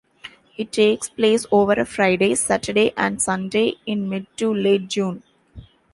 It takes place over a Friday, Saturday and Sunday in mid to late June.